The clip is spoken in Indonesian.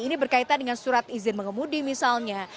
ini berkaitan dengan surat izin mengemudi misalnya